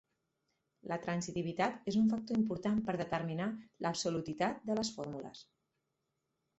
La transitivitat és un factor important per determinar l'absolutitat de les fórmules.